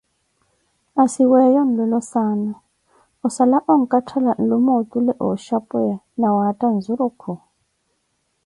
maasi weeyo onlolo saana, ossala onkathala nlume otule achapweiyezo na waatha nzurukhu